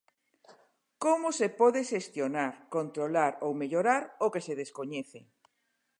Como se pode xestionar, controlar ou mellorar o que se descoñece?